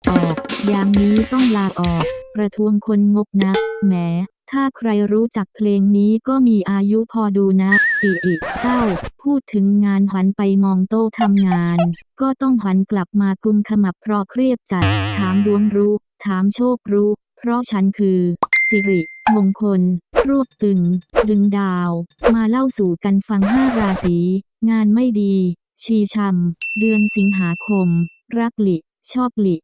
ออกยามนี้ต้องลาออกประทวงคนงกนะแหมถ้าใครรู้จักเพลงนี้ก็มีอายุพอดูนะอิอิเต้าพูดถึงงานหันไปมองโต๊ะทำงานก็ต้องหันกลับมากุมขมับเพราะเครียดจัดถามดวงรู้ถามโชครู้เพราะฉันคือสิริมงคลรวบตึงดึงดาวมาเล่าสู่กันฟัง๕ราศีงานไม่ดีชีชำเดือนสิงหาคมรักหลิชอบหลี